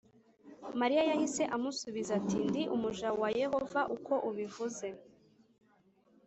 Mariya yahise amusubiza ati ndi umuja wa yehova uko ubivuze